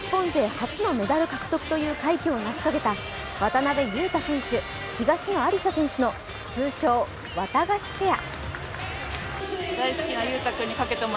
初のメダル獲得という快挙を成し遂げた渡辺勇大選手、東野有紗選手の通称・わたがしペア。